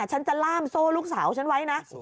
ฉันจะล่ามโซ่ลูกสาวฉันไว้นะ